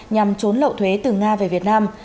nhằm trốn lậu thuế từ nga về việt nam